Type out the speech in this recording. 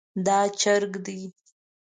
دا چرګ دی